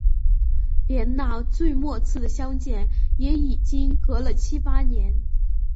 连那最末次的相见也已经隔了七八年